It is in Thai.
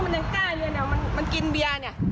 มันยังกล้าอยู่มันกินเบียร์